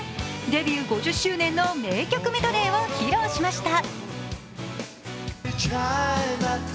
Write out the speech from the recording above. デビュー５０周年の名曲メドレーを披露しました。